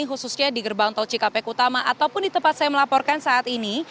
khususnya di gerbang tol cikampek utama ataupun di tempat saya melaporkan saat ini